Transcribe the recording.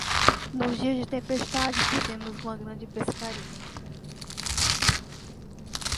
Nos dias de tempestade fizemos uma grande pescaria.